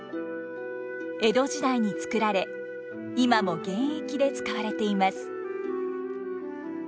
江戸時代に作られ今も現役で使われています。